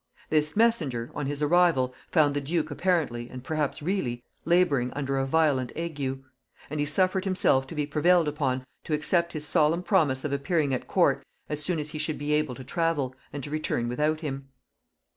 This messenger, on his arrival, found the duke apparently, and perhaps really, laboring under a violent ague; and he suffered himself to be prevailed upon to accept his solemn promise of appearing at court as soon as he should be able to travel, and to return without him.